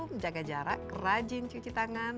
menjaga jarak rajin cuci tangan